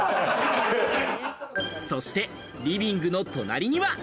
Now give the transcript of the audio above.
そしてリビングの隣には。